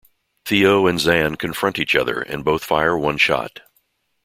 Theo and Xan confront each other and both fire one shot.